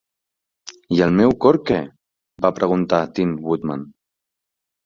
"I el meu cor, què?", va preguntar Tin Woodman.